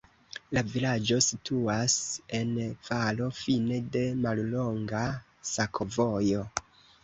La vilaĝo situas en valo, fine de mallonga sakovojo.